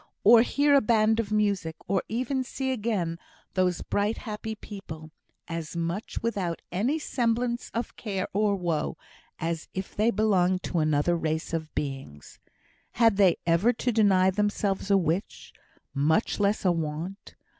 or hear a band of music! or even see again those bright, happy people as much without any semblance of care or woe as if they belonged to another race of beings. Had they ever to deny themselves a wish, much less a want?